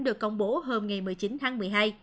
được công bố hôm ngày một mươi chín tháng một mươi hai